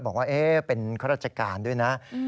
บอกว่าเป็นข้าราชการด้วยนะ